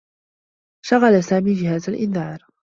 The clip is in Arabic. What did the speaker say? شغّل سامي جهاز الإنذار.